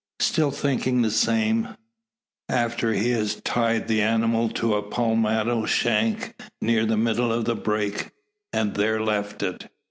Still thinking the same, after he has tied the animal to a palmetto shank near the middle of the brake, and there left it.